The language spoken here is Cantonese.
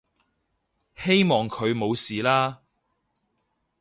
希望佢冇事啦